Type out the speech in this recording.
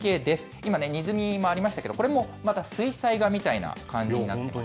今、にじみもありましたけれども、これもまた水彩画みたいな感じになっています。